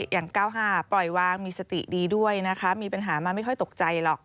อย่าง๙๕ปล่อยวางมีสติดีด้วยนะคะมีปัญหามาไม่ค่อยตกใจหรอก